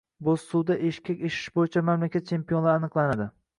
Bo‘zsuvda eshkak eshish bo‘yicha mamlakat chempionlari aniqlanadi